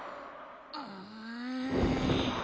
うん。